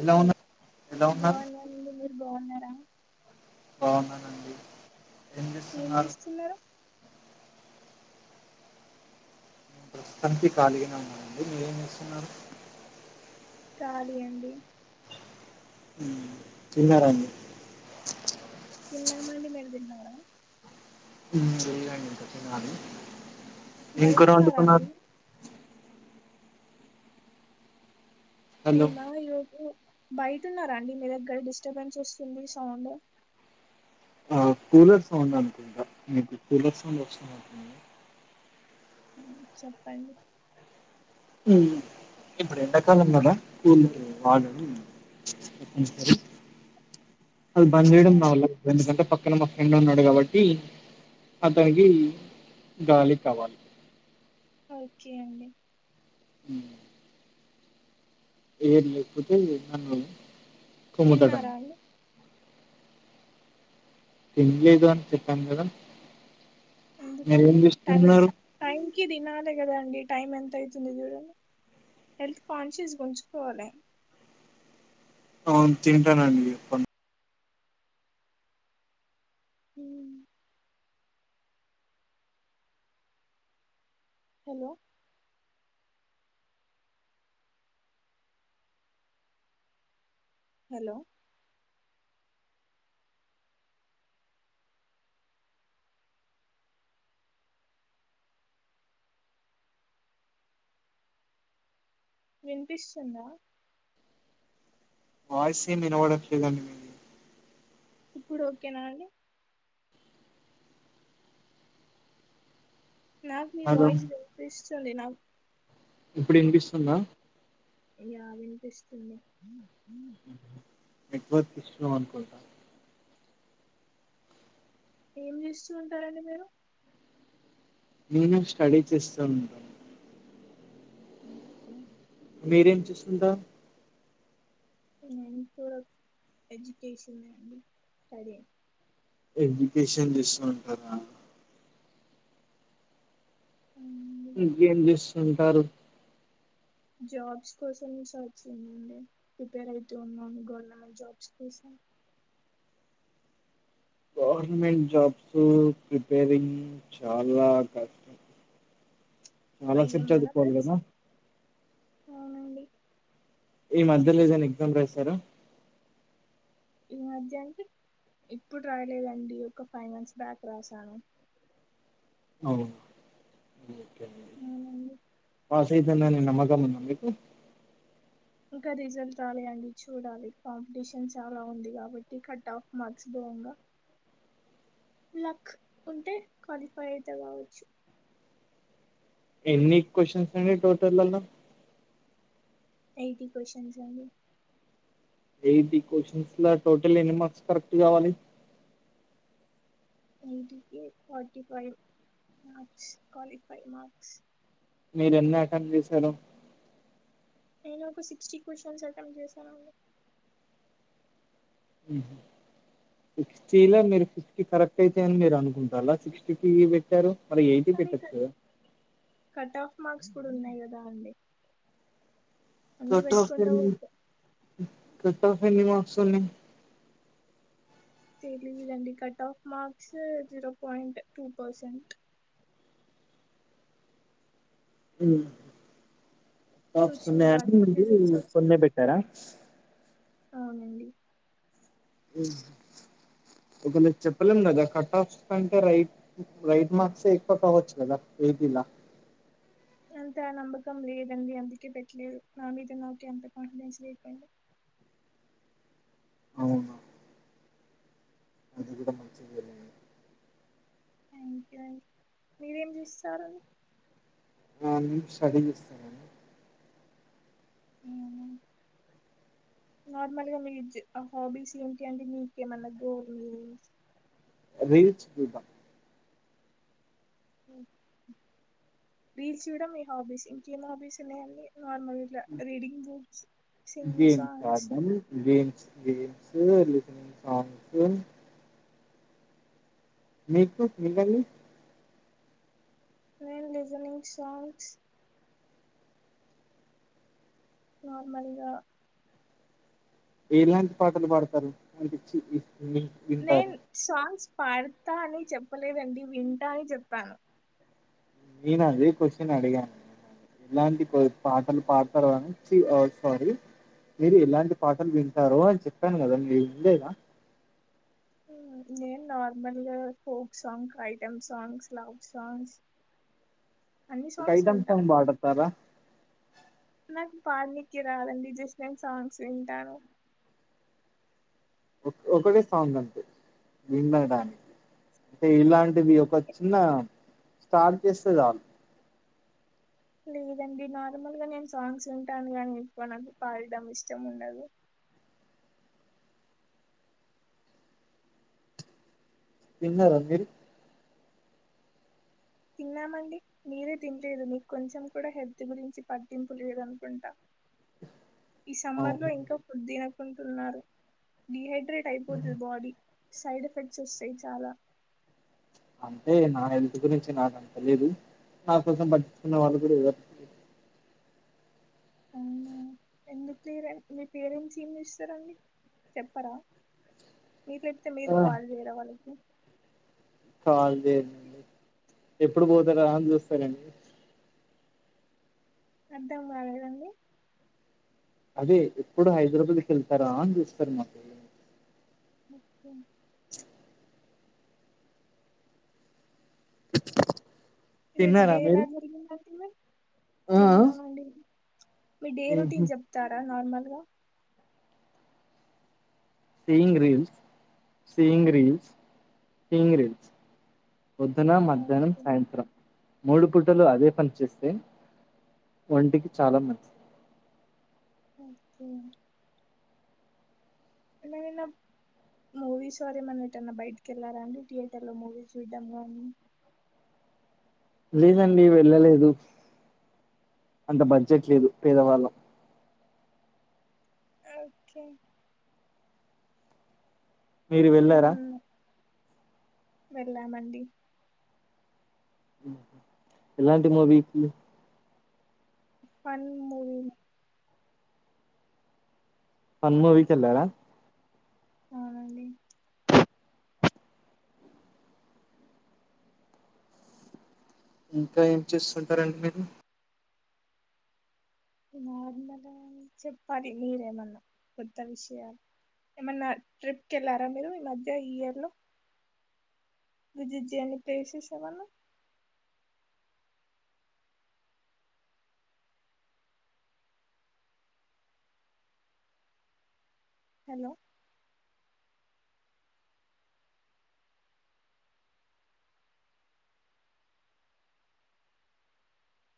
ఎలా ఉన్నా ఎలా ఉన్నారు? బాగున్నరా? బాగున్నానండి ఏం చేస్తున్నరు? నేను ప్రస్తుతానికి ఖాగానే ఉన్నానండి, మీరేమి చేస్తున్నరు? కాలి అండి. తిన్నారండి తిన్నామండి మీరు తిన్నారా? ఏం కూర బయటున్నారా వండుకున్నారు? అండి హలో నేనా యూ హు బయటన్నారండి మీ దగ్గర డిస్టర్బెన్స్ వస్తుంది సౌండ్ ఆ కూలర్ సౌండ్ అనుకుంటా మీకు కూలర్ సౌండ్ వస్తు చెప్పండి ఉమ్ ఇప్పుడు ఎండకాలం కదా కూల్ వాళ ఎ స అ అది బంద్ చేయడం రావల ఎందుకంటే పక్కన మా ఫ్రెండ్ ఉన్నాడు కాబట్టి అతనికి గాలి కావాలి ఓకే అండి ఉమ్ ఏది లేకపోతే విన్నాను తిన్నారా అండి తినలేదు అని చెప్పాను కదా మీరేం ఎందుకండి టైం చేస్తున్నారు టైం కి తినాలి కదాండి టైం ఎంత అయితుంది చూడండి హెల్త్ కాన్షియస్గా ఉంచుకోవాలి. అవును తింటానండి ఇప్పన్ మ్ హలో హలో వినిపిస్తుందా వాయిస్ ఏమి వినబడటం లేదండి మీది ఇప్పుడు ఓకేనా అండి నాకు నీ హలో వాయిస్ విన్పిస్తుంది నాకు ఇప్పుడు వినిపిస్తుందా? యా వినిపిస్తుంది. ఎగ్బత్ స్ట్రా అనుకుంట ఏం చేస్తూ ఉంటారండి మీరు? నేనే స్టడీ చేస్తా ఉంటాను ఉ ఇగ మీరేం చేస్తుంటారు ఏం చూడకు ఎడ్యుకేషన్డి స్టడీ ఎడ్యుకేషన్ దిస్ లో ఉంటారా మ్ ఇంకేం చేస్తుంటారు జాబ్స్ కోసం సార్చ్ చేండి ప్రిపేర్ అయితే ఉన్నాను. గవర్నమెంట్ జాబ్స్ కోసం గవర్నమెంట్ జాబ్స్ ప్రిపేరింగ్ చాలా కష్టం చాలా అయ్యో సేపు మన చదువుకోవాలి బ్యాచ్ కదా అవునండి. ఈ మధ్యలో ఏదన్నా ఎగ్జామ్ రాసార ఈ మధ్య అండి ఇప్పుడు రాయలేదండి ఒక ఫైవ్ మంత్స్ బ్యాక్ రాసాను. అవును ఓకే అవునండి పాస్అయితనాని నమ్మకం ఉందా మీకు కనీసం స్టామియాండి చూడాలి. కాంపిటీషన్ చాలా ఉంది కాబట్టి కట్ ఆఫ్ మార్క్స పోంగా లక్ ఉంటే క్వాలిఫై అయిత కావచ్చు. ఎన్ని క్వొశ్చన్స్ అయినయ్ టోటలల్ల ఎయిటి క్వస్షన్స్ అయినయ్ యైటీ క్వశ్చన్స్ ల టోటల్ ఎన్ని మార్క్స్ కరెక్ట్ గావాలి యైటీ కీ పార్టీఫైవ్ మార్క్స్ క్వాలిఫై మార్స్ మీరెన్ని అటెంప్ట్ జేసారు నేను ఒక సిక్స్టీ క్యూస్షన్స్ అటెంప్ట్ చేసానండి ఉమ్ హు సిక్స్టీలొ మీరు ఫిఫ్టీ కరెక్ట్ అయితని మీర నుకుంటాల్ల సిక్స్టీ కి బేట్టారు మరి యైయిటీ కానీ పెట్టచ్చు గదా క్స్ కుడున్నయి కదా అండి అన్ని బేట్టుకుంటా పోత కటాఫ్ ఎన్ని మార్క్స్ ఉన్నయి తెలీదండి cut off marks zero point two percent um so tops ఉన్నాయని చూడాలి రిజల్ట్స్ మీరు వచ్చా కొన్నే బేట్టారా అవునండి ఉమ్ ఒకళ చెప్పలేం గదా కటాఫ్స్ కంటే రైట్ రైట్ మార్క్సె ఎక్కువ కావచ్చు గదా ఏ పి లా అంత నమ్మకం లేదండి అందుకే పెట్టలేదు, నా మీద నాకే అంత కాన్ఫిడెన్స్ లేకపోయుండే అవునా అది కూడా మంచిదేలేండి థ్యాంక్ యూ అన్ మీరేం చూస్తారండి మార్నింగ్ స్టడీ చేస్తా నేను అవునా నార్మల్ గా మీ జ్ హాబీస్ ఏంటి అండి మీకేమన్నా గోల్ రీల్స్ చూడ్డమ్ రీల్స్ చూడం మీ హాబీస్, ఇంకేం హాబీస్ ఉన్నయండి నార్మల్ గిట్ల రీడింగ్ బుక్స్ సింగింగ్ సాంగ్స్ వీడియోలు చూస్తానండి సాంగ్స్ వి మీకు మీకండి నేను లిజనింగ్ సాంగ్స్ నార్మల్గా ఎలాంటి పాటలు పాడతారు అనిపిచ్చి వింటారు నేను సాంగ్స్ పాడతా అని చెప్పలేదండి వింటా అని చెప్పాను నేనదే కొశ్శన్ అడిగాను ఎలాంటి పాటలు పాడుతరో అని చీ ఆ సారీ మీరు ఎలాంటి పాటలు వింటారో అని చెప్పాను గదండి వినలేదా? నేను నార్మల్గా folk song, item songs love songs అన్ని ఒక సాంగ్స్ ఐటం వింటా సాంగ్ పాడతారా? నాకు పాడనీకి రాదండి జస్ట్ నేను సాంగ్స్ వింటాను ఒక్ ఒకటే సాంగ్ అంతే వినడానికి అంటే ఇలాంట్ టె మీ ఒక చిన్న స్టార్ట్ జేస్తే చాలు లేదండి నార్మల్గా నేను సాంగ్స్ వింటాను గాని ఎక్కువ నాకు పాడడం ఇష్టముండదు తిన్నరా మీరు తిన్నామండి మీరే తినలేదు మీకొంచెం కూడా హెల్త్ గురించి పట్టింపు లేదునుకుంటా ఈ సమ్మర్ లో అవును ఇంకా ఫుడ్ తినకుంటున్నారు డిహైడ్రేట్ అయిపోతది బాడీ సైడ్ ఎఫెక్ట్స్ వస్తయి చాలా అంటే నా హెల్త్ గురించి నాకు ఎంత లేదు నా కోసం పట్టించుకున్న వాళ్ళు కూడా ఎవరు లేరు అవునా ఎందుకు చేయరు మీ పేరెంట్స్ ఏం చేస్తారండి చెప్పరా మీకడితే మీరు ఆ కాలు చేయరా వాళ్ళకి కాల్ చేయనండి ఎప్పుడు పోతారా అని చూస్తారండి అర్థం కాలేదండి అదే ఎప్పుడు హైదరాబాద్కి వెళ్తారా అని చూస్తున్నా ఓకే ఈ రోజు తిన్నారా డే ఎలా మీరు జరిగింది అసలు ఆ తిన్నానండి మీ డే ఉహు రొటీన్ చెప్తారా నార్మల్గా seeing reels seeing reels seeing reels పొద్దున మధ్యాహ్నం ఓకే సాయంత్రం మూడు పూటలు అదే పని చేేస్తే ఒంటికి చాలా మంచిది ఓకే ఇనీన్న [unintelligible] మూవీస్ వారు ఏమన్నా ఏటన్నా బయటకి వెళ్ళారా అండి థియేటర్ లో మూవీస్ చూడడం కానీ లేదండి వెళ్ళలేదు అంత బడ్జెట్ లేదు పేదవాళ్ళం ఓకే మీరు వెళ్ళారా మేమన్నా వెళ్ళామండి ఎలాంటి మూవీకి ఫన్ మూవీ ఫన్ మూవీ కీ వెళ్ళారా అవునండి ఇంకా ఏం చేస్తుంటారండి మీరు నార్మల్ చెప్పాలి మీరేమన్నా కొత్త విషయాలు ఏమన్నా ట్రిప్కి వెళ్ళారా మీరు ఈ మధ్య ఈ ఇయర్ లో విసిట్ చేయని ప్లేసెస్ ఏమన్న hello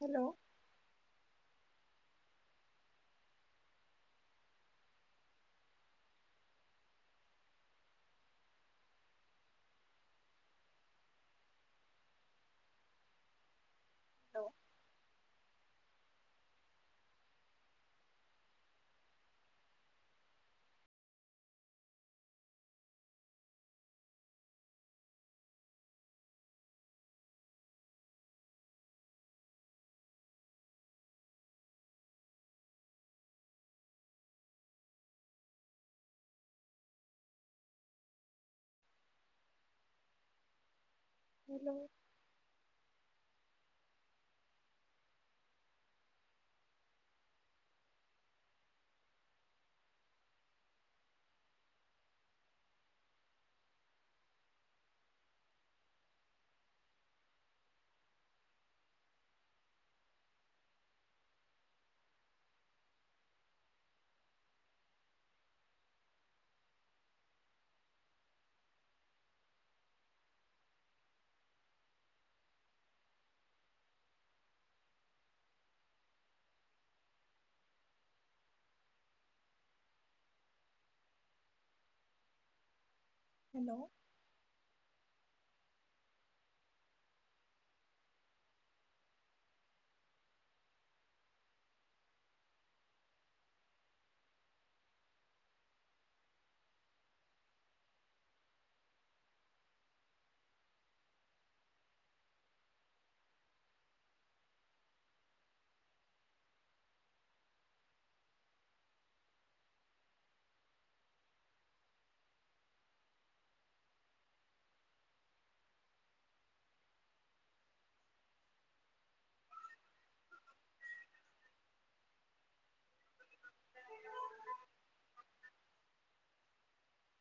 hello hello hello hello అ